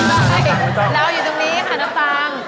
ไม่ต้องเราอยู่ตรงนี้ค่ะน้ำตาล